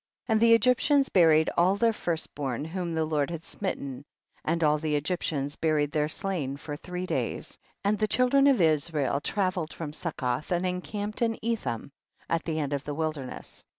6. And the Egyptians buried all their first born whom the Lord had smitten, and all the Egyptians buried their slain for three days. . 7. And the children of Israel tra velled from Succoth and encamped in Ethom, at the end of the wilder ness.